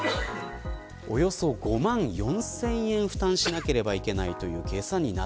およそ５万４０００円負担しなければいけないという計算です。